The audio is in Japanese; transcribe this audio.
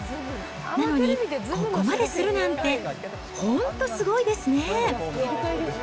なのに、ここまでするなんて、本当、すごいですね。